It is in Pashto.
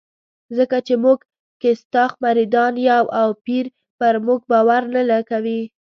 ځکه چې موږ کستاخ مریدان یو او پیر پر موږ باور نه کوي.